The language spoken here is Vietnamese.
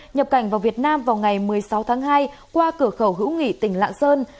nhập cảnh vào việt nam vào ngày một mươi sáu tháng hai qua cửa khẩu hữu nghị tỉnh lạng sơn